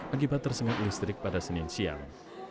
akibat tersengat listrik pada senin siang